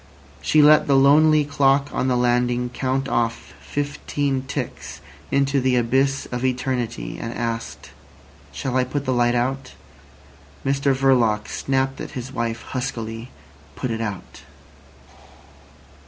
She let the lonely clock on the landing count off fifteen ticks into the abyss of eternity, and asked: "Shall I put the light out?" Mr Verloc snapped at his wife huskily. "Put it out."